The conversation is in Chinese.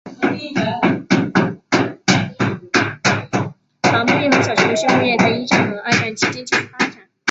伐木业和小型的畜牧业在一战和二战期间继续发展。